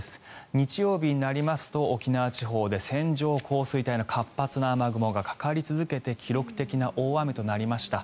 日曜日になりますと、沖縄地方で線状降水帯の活発な雨雲がかかり続けて記録的な大雨となりました。